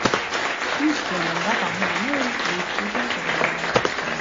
Siiski on tal väga hea meel võistluses olla.